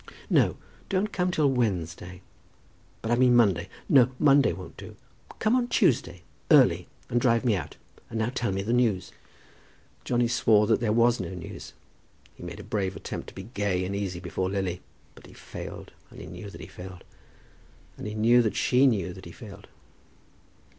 "No; don't come till Wednesday. But I mean Monday. No; Monday won't do. Come on Tuesday, early, and drive me out. And now tell us the news." Johnny swore that there was no news. He made a brave attempt to be gay and easy before Lily; but he failed, and he knew that he failed, and he knew that she knew that he failed.